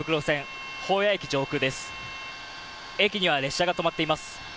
駅には列車が止まっています。